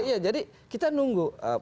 iya jadi kita nunggu